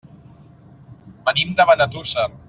Venim de Benetússer.